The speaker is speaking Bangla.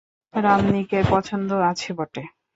রামনিকের পছন্দ আছে বটে।